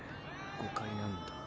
誤解なんだ。